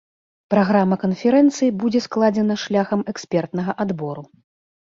Праграма канферэнцыі будзе складзена шляхам экспертнага адбору.